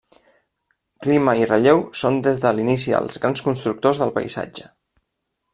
Clima i relleu són des de l'inici els grans constructors del paisatge.